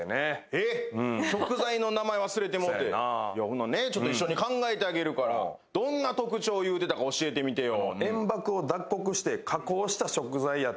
え、食材の名前忘れてもうてちょっと一緒に考えてあげるからどんな特徴言うてたか教えてみてよ。